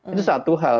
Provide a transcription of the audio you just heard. itu satu hal